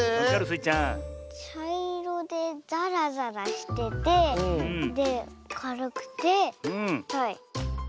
ちゃいろでざらざらしててでかるくてはい。